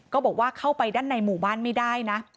บอกว่าเข้าไปด้านในหมู่บ้านไม่ได้นะ